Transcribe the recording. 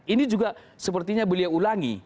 ini juga sepertinya beliau ulangi